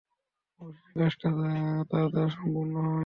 অবশেষে কাজটা তার দ্বারা সম্পন্ন হয়।